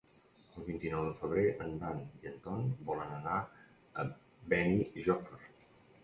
El vint-i-nou de febrer en Dan i en Ton volen anar a Benijòfar.